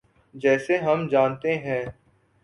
جیسے ہم جانتے ہیں۔